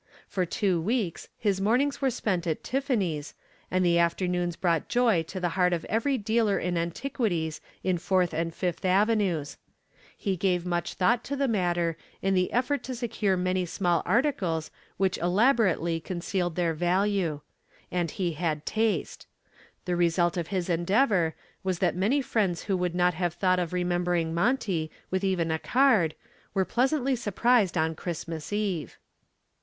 For two weeks his mornings were spent at Tiffany's, and the afternoons brought joy to the heart of every dealer in antiquities in Fourth and Fifth Avenues. He gave much thought to the matter in the effort to secure many small articles which elaborately concealed their value. And he had taste. The result of his endeavor was that many friends who would not have thought of remembering Monty with even a card were pleasantly surprised on Christmas Eve.